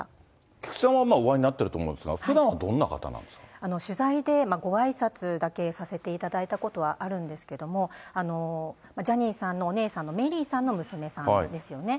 菊池さんはお会いになっていると思うんですが、ふだんはどん取材で、ごあいさつだけさせていただいたことはあるんですけれども、ジャニーさんのお姉さんの、メリーさんの娘さんですよね。